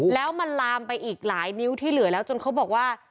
แล้วมันลามไปอีกหลายนิ้วที่เหลือแล้วจนเขาบอกว่า